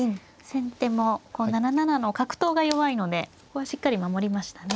先手も７七の角頭が弱いのでここはしっかり守りましたね。